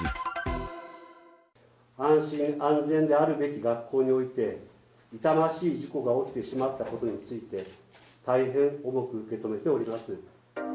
安心安全であるべき学校において、痛ましい事故が起きてしまったことについて、大変重く受け止めております。